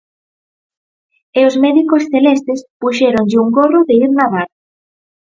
E os médicos celestes puxéronlle un gorro de ir nadar.